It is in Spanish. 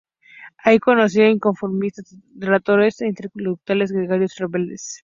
Allí conoció a inconformistas desterrados e intelectuales georgianos rebeldes.